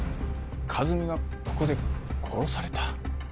和美がここで殺された？